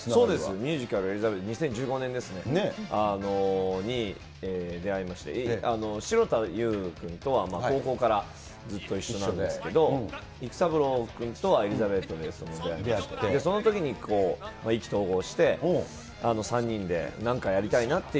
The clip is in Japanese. ミュージカル、エリザベート、２０１５年ですね、に出会いまして、城田優君とは、高校からずっと一緒なんですけど、育三郎君とはエリザベートで出会って、そのときに意気投合して、３人で、なんかやりたいなってい